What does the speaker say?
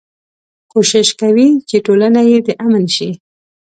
کوشش کوي چې ټولنه يې د امن شي.